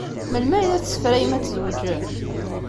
Melmi ay la tessefrayem ad tzewǧem?